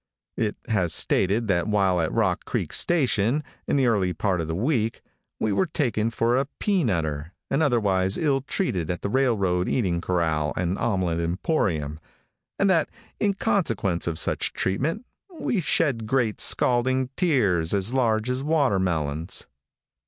It has stated that while at Rock Creek station, in the early part of the week, we were taken for a peanutter, and otherwise ill treated at the railroad eating corral and omelette emporium, and that in consequence of such treatment we shed great scalding tears as large as watermelons.